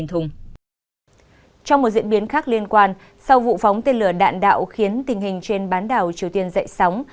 trong một diễn biến khác liên quan sau vụ phóng tên lửa đạn đạo khiến tình hình trên bán đảo triều tiên dậy sóng